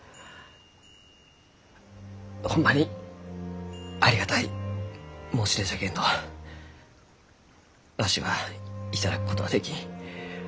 ホンマにありがたい申し出じゃけんどわしは頂くことはできん。